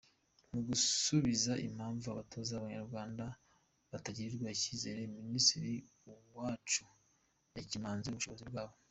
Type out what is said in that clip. Mu gusubiza impamvu abatoza b’Abanyarwanda batagirirwa icyizere , Minisitiri Uwacu yakemanze ubushobozi bwabo.